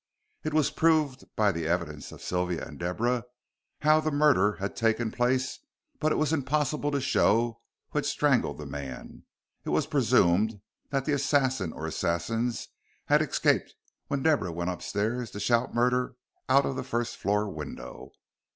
It was proved by the evidence of Sylvia and Deborah how the murder had taken place, but it was impossible to show who had strangled the man. It was presumed that the assassin or assassins had escaped when Deborah went upstairs to shout murder out of the first floor window.